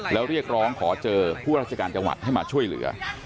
แล้วเรียกร้องขอเจอผู้ราชการจังหวัดให้มาช่วยเหลือ